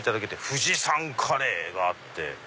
「富士山カレー」があって。